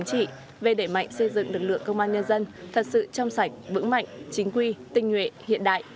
chỉ để mạnh xây dựng lực lượng công an nhân dân thật sự trong sạch vững mạnh chính quy tinh nguyện hiện đại